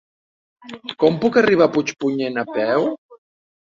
Com puc arribar a Puigpunyent a peu?